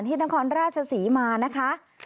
ที่นครราชสีมานะคะ